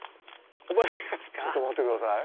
あれ⁉ちょっと待ってください。